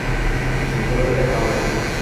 দুপুরে দেখা হবে।